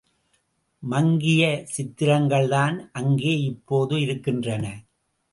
மங்கிய சித்திரங்கள்தான் அங்கே இப்போது இருக்கின்றன.